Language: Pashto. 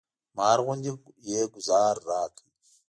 مار غوندې یې ګوزار راکړ.